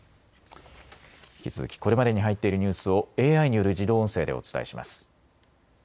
引き続きこれまでに入っているニュースをＡＩによる自動音声でお伝えします。